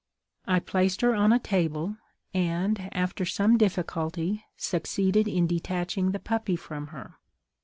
I placed her on a table, and, after some difficulty, succeeded in detaching the puppy from her.